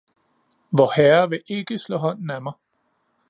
Vorherre vil ikke slå hånden af mig!